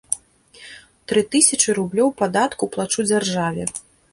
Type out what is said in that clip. Тры тысячы рублёў падатку плачу дзяржаве.